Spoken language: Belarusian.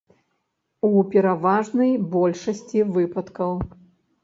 У пераважнай большасці выпадкаў.